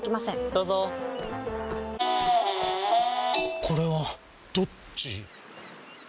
どうぞこれはどっち？